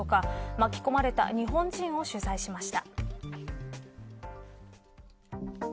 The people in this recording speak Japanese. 巻き込まれた日本人を取材しました。